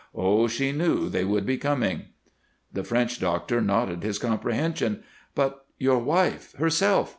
Oh, she knew they would be coming." The French doctor nodded his comprehension. "But your wife herself?"